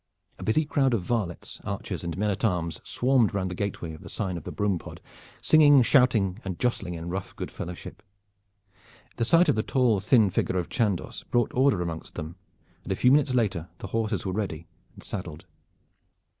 A busy crowd of varlets, archers, and men at arms swarmed round the gateway of the "Sign of the Broom Pod," singing, shouting, and jostling in rough good fellowship. The sight of the tall thin figure of Chandos brought order amongst them, and a few minutes later the horses were ready and saddled.